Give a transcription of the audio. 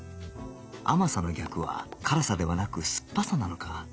甘さの逆は辛さではなく酸っぱさなのか